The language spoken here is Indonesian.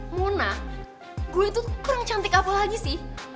mona gue itu kurang cantik apa lagi sih